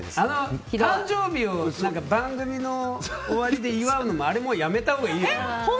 誕生日を番組の終わりで祝うのもあれもう、やめたほうがいいよ。